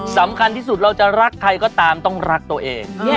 สำคัญที่สุดเราจะรักใครก็ตามต้องรักตัวเอง